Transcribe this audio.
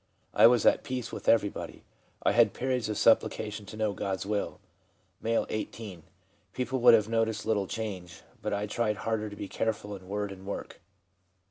I was at peace with everybody. I had periods of supplication to know God's will/ M., 18. * People would have noticed little change, but I tried harder to be careful in word and work/ F.